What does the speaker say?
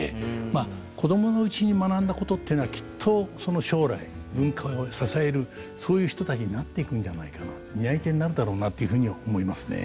まあ子供のうちに学んだことっていうのはきっとその将来文化を支えるそういう人たちになっていくんじゃないかな担い手になるだろうなというふうに思いますね。